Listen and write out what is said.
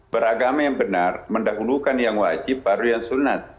beragama yang benar mendahulukan yang wajib baru yang sunat